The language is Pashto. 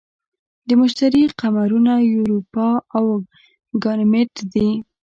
د مشتری قمرونه یوروپا او ګانیمید دي.